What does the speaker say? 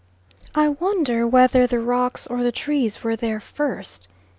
I wonder whether the rocks or the trees were there first?